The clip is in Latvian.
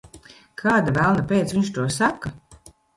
Kāda velna pēc viņš to saka?